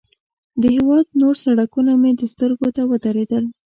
د هېواد نور سړکونه مې سترګو ته ودرېدل.